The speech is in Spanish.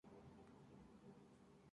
Madura a lo largo de seis meses.